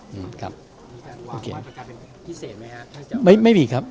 มีการวางบ้านประกาศเป็นพิเศษไหมครับ